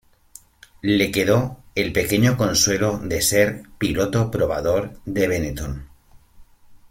Le quedó el pequeño consuelo de ser piloto probador de Benetton.